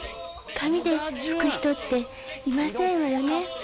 紙で拭く人っていませんわよね。